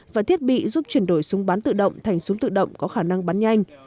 và thiết bị giúp chuyển đổi súng bán tự động thành súng tự động có khả năng bắn nhanh